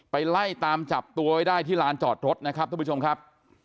ไล่ตามจับตัวไว้ได้ที่ลานจอดรถนะครับท่านผู้ชมครับ